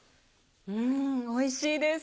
んおいしいです。